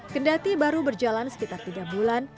kendati baru berjalan sekitar tiga bulan